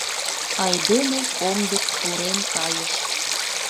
Айдеме комдык пурен кайыш.